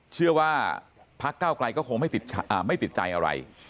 เชื่อว่าพักเก้าไกลก็คงไม่ติดใจอะไร